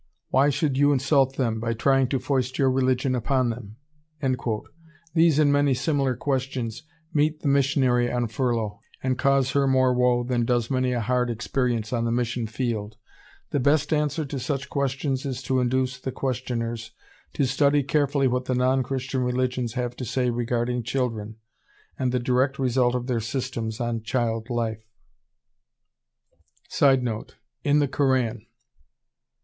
Why should you insult them by trying to foist your religion upon them?" These and many similar questions meet the missionary on furlough, and cause her more woe than does many a hard experience on the mission field. The best answer to such questions is to induce the questioners to study carefully what the non Christian religions have to say regarding children, and the direct result of their systems on child life. [Sidenote: In the Koran.